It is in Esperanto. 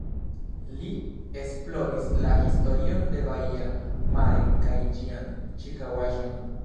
Li esploris la historion de baia Mare kaj ĝian ĉirkaŭaĵon.